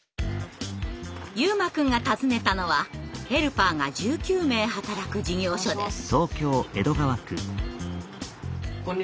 悠真くんが訪ねたのはヘルパーが１９名働く事業所です。